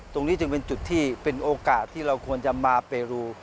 ตรงนี้จึงเป็นจุดที่เป็นโอกาสที่เราควรจะมาเปรู